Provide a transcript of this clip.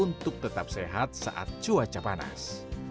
untuk tetap sehat saat cuaca panas